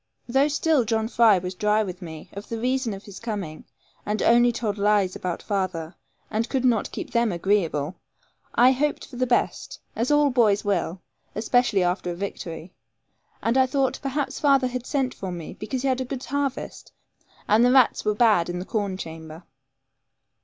Though still John Fry was dry with me of the reason of his coming, and only told lies about father, and could not keep them agreeable, I hoped for the best, as all boys will, especially after a victory. And I thought, perhaps father had sent for me because he had a good harvest, and the rats were bad in the corn chamber.